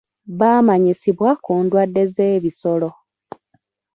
Baamanyisibwa ku ndwadde z'ebisolo.